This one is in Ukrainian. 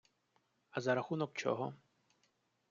А за рахунок чого?